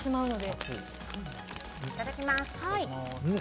いただきます。